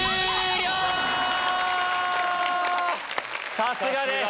さすがです！